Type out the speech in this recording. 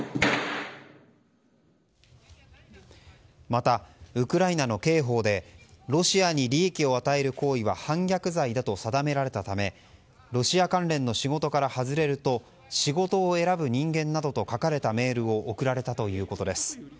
またウクライナの刑法でロシアに利益を与える行為は反逆罪だと定められたためロシア関連の仕事から外れると仕事を選ぶ人間だなどと書かれたメールを送られたということです。